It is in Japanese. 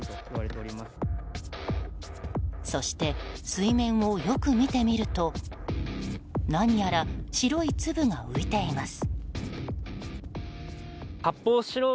そして、水面をよく見てみると何やら白い粒が浮いています。